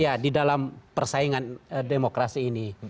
ya di dalam persaingan demokrasi ini